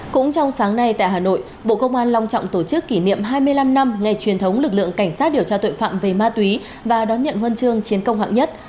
cũng trong sáng nay tại hà nội bộ công an long trọng tổ chức kỷ niệm hai mươi năm năm ngày truyền thống lực lượng cảnh sát điều tra tội phạm về ma túy và đón nhận huân chương chiến công hạng nhất